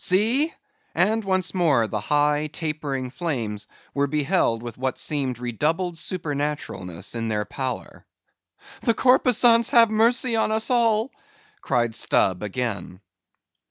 see!" and once more the high tapering flames were beheld with what seemed redoubled supernaturalness in their pallor. "The corpusants have mercy on us all," cried Stubb, again.